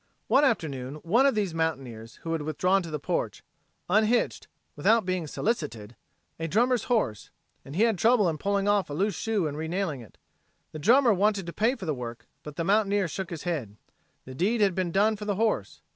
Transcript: One afternoon one of these mountaineers who had withdrawn to the porch, unhitched, without being solicited, a drummer's horse, and he had trouble in pulling off a loose shoe and renailing it. The drummer wanted to pay for the work, but the mountaineer shook his head. The deed had been done for the horse.